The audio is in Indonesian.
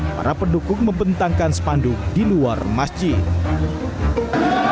para pendukung membentangkan sepanduk di luar masjid